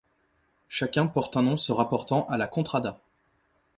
Chacun porte un nom se rapportant à la contrada.